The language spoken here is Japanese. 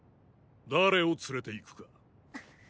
誰を連れて行くか。